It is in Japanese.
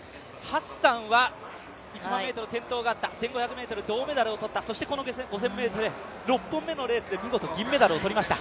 ハッサンは１００００ｍ転倒があった、１５００ｍは銅メダルをとった、そしてこの５０００ｍ、６本目のレースで見事メダルを取りました。